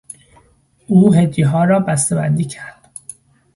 او هدیهها را بسته بندی کرد.